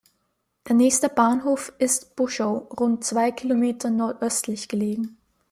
Der nächste Bahnhof ist Buschow, rund zwei Kilometer nordöstlich gelegen.